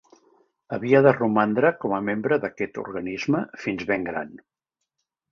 Havia de romandre com a membre d'aquest organisme fins ben gran.